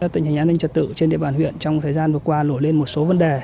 tình hình an ninh trật tự trên địa bàn huyện trong thời gian vừa qua nổi lên một số vấn đề